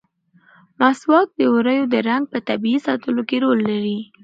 مسواک د ووریو د رنګ په طبیعي ساتلو کې رول لري.